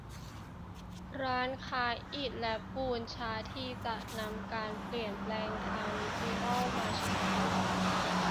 ร้านค้าอิฐและปูนช้าทีจะนำการเปลี่ยนแปลงทางดิจิตอลมาใช้